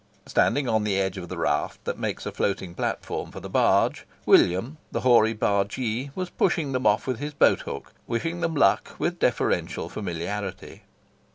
Standing on the edge of the raft that makes a floating platform for the barge, William, the hoary bargee, was pushing them off with his boat hook, wishing them luck with deferential familiarity.